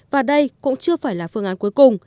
và đây cũng chưa phải là phương án cuối cùng